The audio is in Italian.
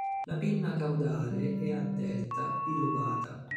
La pinna caudale è a delta, bilobata.